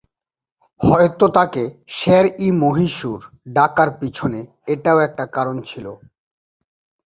হয়তো তাকে 'শের-ই-মহীশূর' ডাকার পিছনে এটাও একটা কারণ ছিলো।